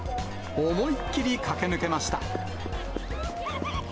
思いっ切り駆け抜けました。